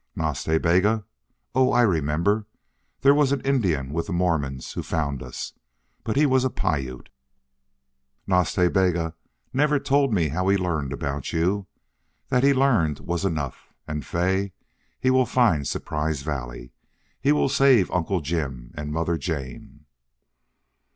"Nas Ta Bega!... Oh, I remember. There was an Indian with the Mormons who found us. But he was a Piute." "Nas Ta Bega never told me how he learned about you. That he learned was enough. And, Fay, he will find Surprise Valley. He will save Uncle Jim and Mother Jane."